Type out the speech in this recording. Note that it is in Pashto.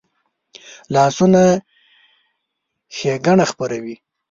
لاسونه ښېګڼه خپروي